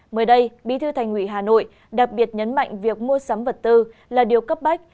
mới đây bí thư thành ủy hà nội đặc biệt nhấn mạnh việc mua sắm vật tư là điều cấp bách